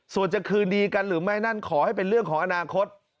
ส่วนจะคืนดีกันหรือไม่นั่นขอให้เป็นเรื่องของอนาคต